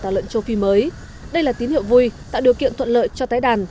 tả lợn châu phi mới đây là tín hiệu vui tạo điều kiện thuận lợi cho tái đàn